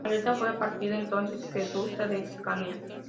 Margarita fue a partir de entonces duquesa de Scania.